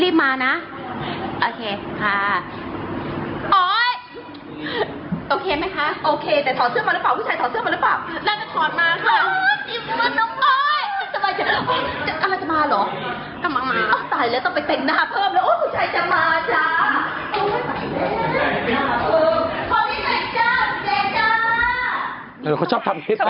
เราเล่นสักจริงเช่า